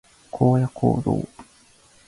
荒野行動